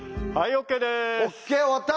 ＯＫ終わった！